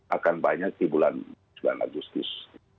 akan banyak di bulan sembilan agustus